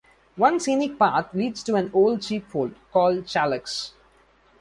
One scenic path leads to an old sheepfold, called Chailloux.